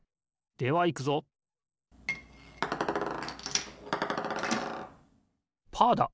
ではいくぞパーだ！